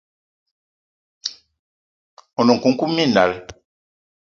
One nkoukouma minal